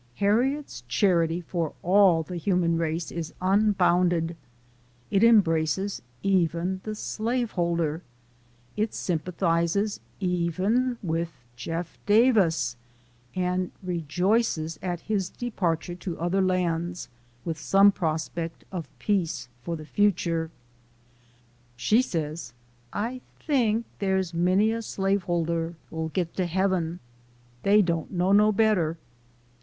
Harriet's charity for all the human race is un bounded. It embraces even the slaveholder it sympathizes even with Jeff. Davis, and rejoices nt his departure to other lands, with some prospect of peace for the future. She says, " I tink dar's many a slaveholder '11 git to Heaven. Dey don't know no better.